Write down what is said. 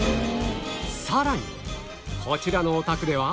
さらにこちらのお宅では